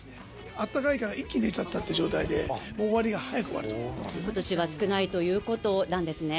あったかいから一気に出ちゃったって状態で終わりが早く終わると今年は少ないということなんですね